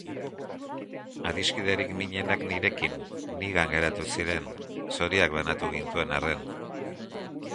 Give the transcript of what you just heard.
Adiskiderik minenak nirekin, nigan geratu ziren, zoriak banatu gintuen arren.